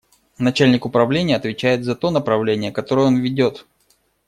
Начальник управления отвечает за то направление, которое он ведет.